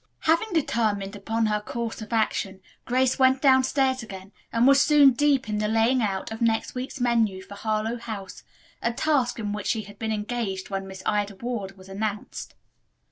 Having determined upon her course of action Grace went downstairs again and was soon deep in the laying out of next week's menu for Harlowe House, a task in which she had been engaged when Miss Ida Ward was announced.